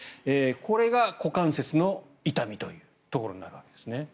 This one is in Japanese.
これが股関節の痛みというところになるわけですね。